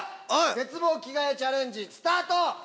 鉄棒着替えチャレンジスタート！